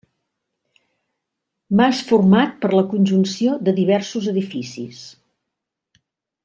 Mas format per la conjunció de diversos edificis.